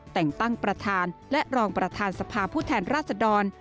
แต่งตั้งประธานและรองประธานสภาผู้แทนราชดร